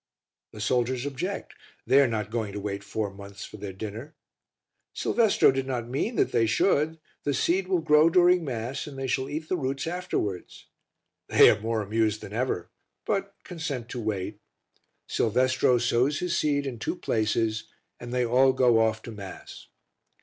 The soldiers object, they are not going to wait four months for their dinner. Silvestro did not mean that they should: the seed will grow during Mass and they shall eat the roots afterwards. They are more amused than ever, but consent to wait. Silvestro sows his seed in two places and they all go off to Mass.